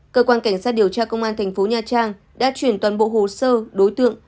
cơ quan cảnh sát điều tra công an tp nha trang đã chuyển toàn bộ hồ sơ đối tượng